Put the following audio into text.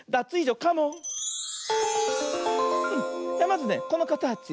まずねこのかたち